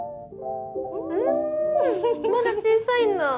うんまだ小さいんだ。